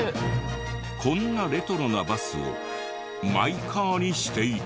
こんなレトロなバスをマイカーにしていた。